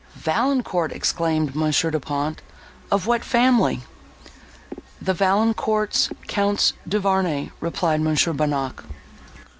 "Valancourt!" exclaimed Mons. Du Pont. "Of what family?" "The Valancourts, Counts Duvarney," replied Mons. Bonnac.